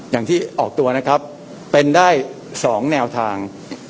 อย่างที่ออกตัวนะครับเป็นได้๒แนวทาง